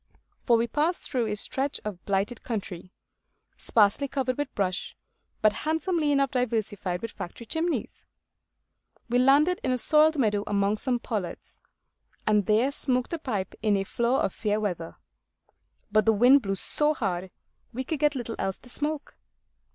For we passed through a stretch of blighted country, sparsely covered with brush, but handsomely enough diversified with factory chimneys. We landed in a soiled meadow among some pollards, and there smoked a pipe in a flaw of fair weather. But the wind blew so hard, we could get little else to smoke.